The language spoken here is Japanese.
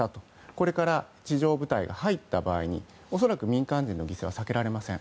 これから地上部隊が入った場合に恐らく民間人の犠牲は避けられません。